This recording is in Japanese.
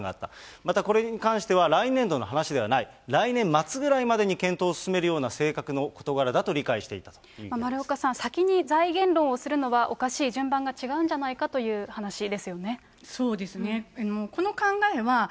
またこれに関しては、来年度の話ではない、来年末ぐらいまでに検討進めるような性格の事柄だと理解していた丸岡さん、先に財源論をするのはおかしい、順番が違うんじゃないかという話ですよね。